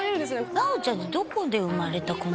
奈央ちゃんってどこで生まれた子なの？